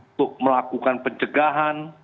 untuk melakukan pencegahan